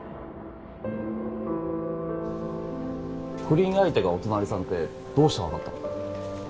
不倫相手がお隣さんってどうして分かったの？